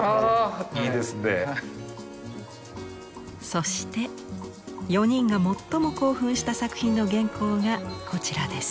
そして４人が最も興奮した作品の原稿がこちらです。